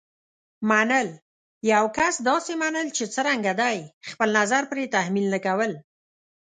منل: یو کس داسې منل چې څرنګه دی. خپل نظر پرې تحمیل نه کول.